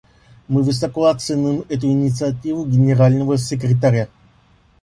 Мы высоко оцениваем эту инициативу Генерального секретаря.